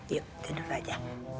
yuk tidur aja